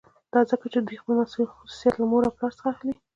دا ځکه چې دوی خپل خصوصیات له مور او پلار څخه اخلي